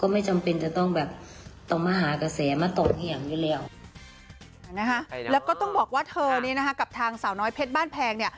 แล้วก็ต้องบอกว่าเธอนี้กับทางสาวน้อยเพชรบ้านแพง